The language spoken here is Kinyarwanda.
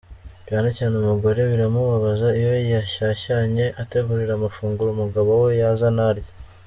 Cyane cyane umugore biramubabaza iyo yashyashyanye ategurira amafunguro umugabo we yaza ntarye.